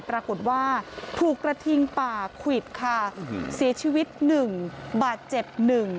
ปรากฏว่าถูกกระทิงป่าควิดค่ะเสียชีวิตหนึ่งบาดเจ็บหนึ่ง